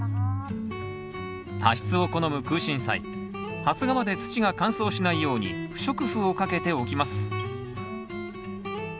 多湿を好むクウシンサイ発芽まで土が乾燥しないように不織布をかけておきます